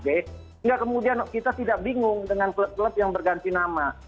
sehingga kemudian kita tidak bingung dengan klub klub yang berganti nama